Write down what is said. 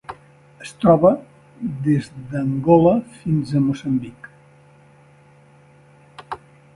Es troba des d'Angola fins a Moçambic.